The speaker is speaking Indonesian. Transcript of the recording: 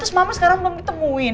terus mama sekarang belum ditemuin